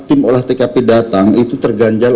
tim olah tkp datang itu terganjal